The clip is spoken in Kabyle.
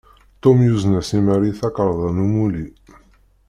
Tom yuzen-as i Mary takarḍa n umulli.